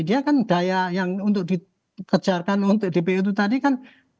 dia kan daya yang untuk dikejarkan untuk dpo itu tadi kan